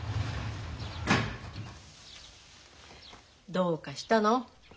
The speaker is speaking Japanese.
・どうかしたの？